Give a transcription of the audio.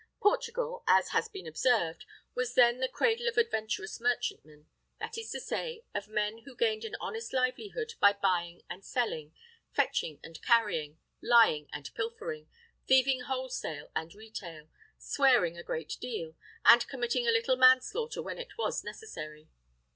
Portugal, as has been observed, was then the cradle of adventurous merchantmen; that is to say, of men who gained an honest livelihood by buying and selling, fetching and carrying, lying and pilfering, thieving wholesale and retail, swearing a great deal, and committing a little manslaughter when it was necessary.